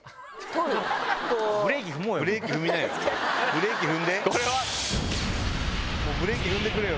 ブレーキ踏んでくれよ